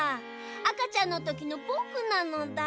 あかちゃんのときのぼくなのだ。